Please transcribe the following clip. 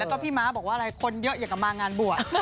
ก็พี่มาบอกว่าคนเยอะอย่ากาบมางานบวช